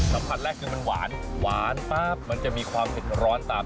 สัมผัสแรกคือมันหวานหวานปั๊บมันจะมีความเผ็ดร้อนตาม